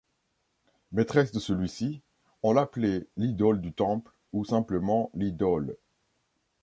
Maîtresse de celui-ci, on l'appelait l'Idole du Temple ou simplement l'Idole.